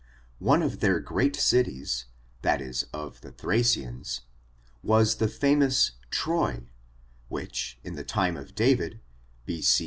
One of their great cities, that is of the Thradans, was the famous TVoy, which, in the time of David, B. C.